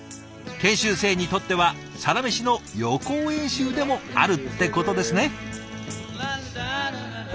研修生にとってはサラメシの予行演習でもあるってことですね。